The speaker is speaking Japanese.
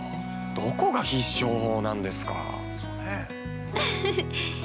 どこが必勝法なんですか。